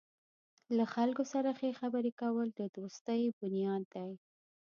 له خلکو سره ښې خبرې کول د دوستۍ بنیاد دی.